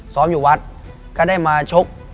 อยู่วัดก็ได้มาชก